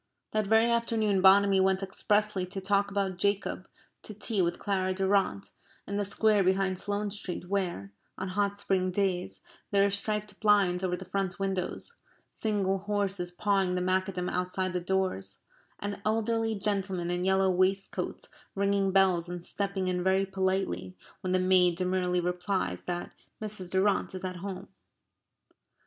That very afternoon Bonamy went expressly to talk about Jacob to tea with Clara Durrant in the square behind Sloane Street where, on hot spring days, there are striped blinds over the front windows, single horses pawing the macadam outside the doors, and elderly gentlemen in yellow waistcoats ringing bells and stepping in very politely when the maid demurely replies that Mrs. Durrant is at home.